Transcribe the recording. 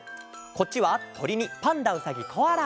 こっちは「とり」に「パンダうさぎコアラ」。